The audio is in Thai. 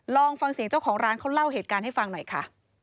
ลองฟังเสียงเจ้าของร้านเขาเล่าเหตุการณ์ให้ฟังหน่อยค่ะ